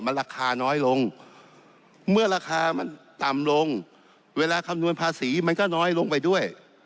มันราคาน้อยลงเมื่อราคามันต่ำลงเวลาคำนวณภาษีมันก็น้อยลงไปด้วย